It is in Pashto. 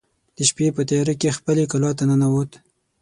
د شپې په تیاره کې خپلې کلا ته ننوت.